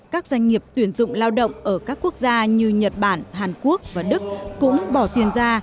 các doanh nghiệp tuyển dụng lao động ở các quốc gia như nhật bản hàn quốc và đức cũng bỏ tiền ra